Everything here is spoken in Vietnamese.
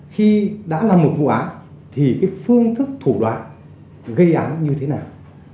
khi đã làm một vụ án thì cái phương thức thủ đoán gây án như thế nào